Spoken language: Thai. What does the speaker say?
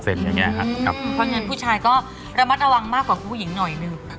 เพราะฉะนั้นผู้ชายก็ระมัดระวังมากกว่าผู้หญิงหน่อยหนึ่ง